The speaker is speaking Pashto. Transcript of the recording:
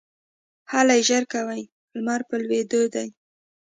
هلئ ژر کوئ ! لمر په لوېدو دی